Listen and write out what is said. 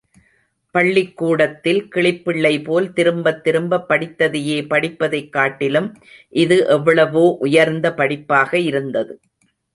பள்ளிக்கூடத்தில் கிளிப்பிள்ளை போல திரும்பத் திரும்ப படித்ததையே படிப்பதைக் காட்டிலும், இது எவ்வளவோ உயர்ந்த படிப்பாக இருந்தது.